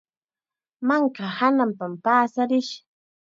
Manka hananpam paasarish.